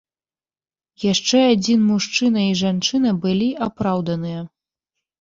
Яшчэ адзін мужчына і жанчына былі апраўданыя.